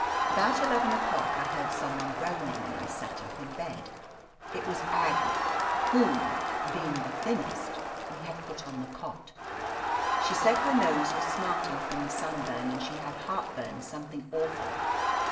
About eleven o'clock I heard some one groaning and I sat up in bed. It was Aggie, whom, being the thinnest, we had put on the cot. She said her nose was smarting from the sunburn and she had heartburn something awful.